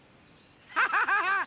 アハハハ！